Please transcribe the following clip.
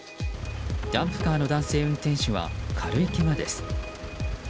ダンプカーの男性運転手は軽いけがです。